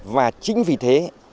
và chính vì thế